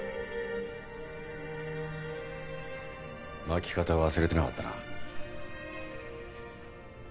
巻き方忘れてなかったな。